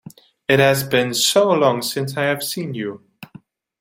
It has been so long since I have seen you!